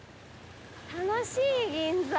楽しい銀座。